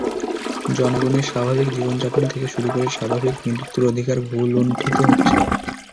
জনগণের স্বাভাবিক জীবনযাপন থেকে শুরু করে স্বাভাবিক মৃত্যুর অধিকার ভূলুণ্ঠিত হচ্ছে।